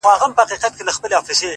نن هغه سالار د بل په پښو كي پروت دئ,